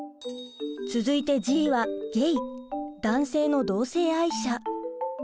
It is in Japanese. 続いて「Ｇ」はゲイ男性の同性愛者。